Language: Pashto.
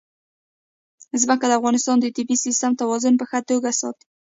ځمکه د افغانستان د طبعي سیسټم توازن په ښه توګه ساتي.